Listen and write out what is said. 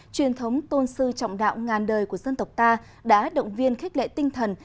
truyền thống tôn sư trọng đạo ngàn đời của dân tộc ta đã động viên khích lệ tinh thần